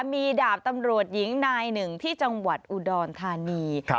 มีดาบตำรวจหญิงนายหนึ่งที่จังหวัดอุดรธานี